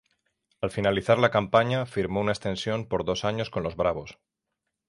Al finalizar la campaña, firmó una extensión por dos años con los Bravos.